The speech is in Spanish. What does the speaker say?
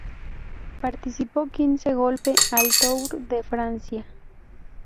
Participó quince golpe al Tour de Francia.